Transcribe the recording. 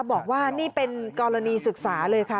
บอกว่านี่เป็นกรณีศึกษาเลยค่ะ